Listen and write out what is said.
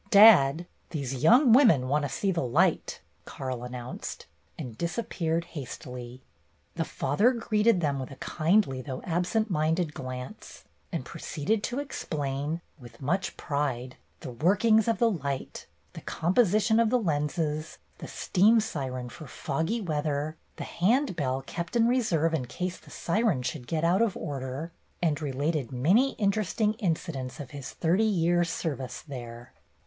"Dad, these young wimmin want to see the light," Karl announced, and disappeared hastily. The father greeted them with a kindly though absent minded glance, and proceeded to explain, with much pride, the workings of the light, the composition of the lenses, the steam siren for foggy weather, the hand bell kept in reserve in case the siren should get out of order, and related many interesting incidents of his thirty years' service there.